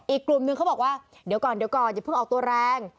อีกกลุ่มนึงเขาบอกว่าเดี๋ยวก่อนอย่าเพิ่งออกตัวแรง